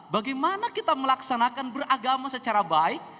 bagaimana kita melaksanakan beragama secara baik